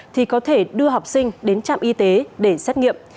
thì có thể đưa học sinh đến trạm y tế để xét nghiệm